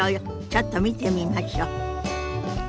ちょっと見てみましょ。